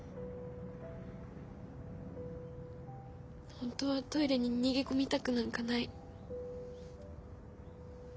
ほんとはトイレに逃げ込みたくなんかない。